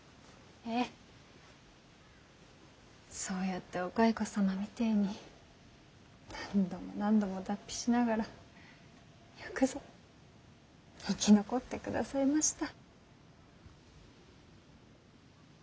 えぇそうやってお蚕様みてぇに何度も何度も脱皮しながらよくぞ生き残ってくださいました。